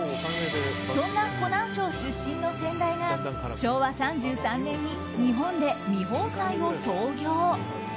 そんな湖南省出身の先代が昭和３３年に日本で味芳斎を創業。